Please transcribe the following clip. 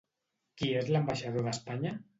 Qui és l'ambaixador d'Espanya?